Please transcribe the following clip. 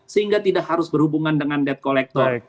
sehingga tidak harus berhubungan dengan debt collector